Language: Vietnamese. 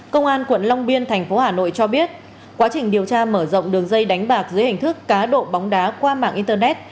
công an quận long biên thành phố hà nội cho biết quá trình điều tra mở rộng đường dây đánh bạc dưới hình thức cá độ bóng đá qua mạng internet